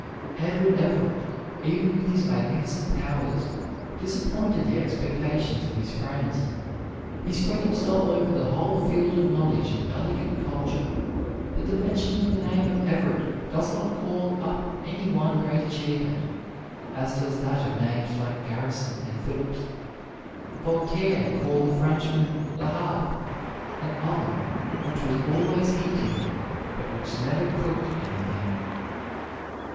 Edward Everett, even with his magnificent powers, disappointed the expectations of his friends. He spread himself over the whole field of knowledge and elegant culture; but the mention of the name of Everett does not call up any one great achievement as does that of names like Garrison and Phillips. Voltaire called the Frenchman La Harpe an oven which was always heating, but which never cooked anything.